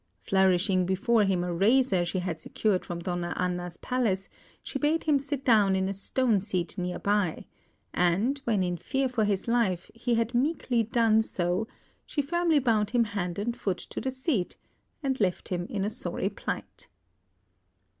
Flourishing before him a razor she had secured from Donna Anna's palace, she bade him sit down in a stone seat near by; and when, in fear for his life, he had meekly done so, she firmly bound him hand and foot to the seat, and left him in a sorry plight.